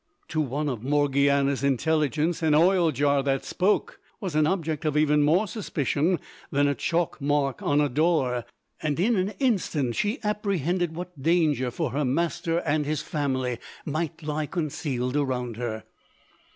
To one of Morgiana's intelligence an oil jar that spoke was an object of even more suspicion than a chalk mark on a door, and in an instant she apprehended what danger for her master and his family might lie concealed around her.